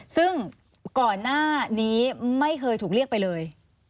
ซึ่งก่อนหน้านี้ไม่เคยถูกเรียกไปเลย